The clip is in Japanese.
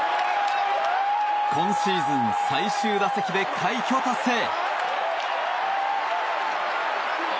今シーズン最終打席で快挙達成。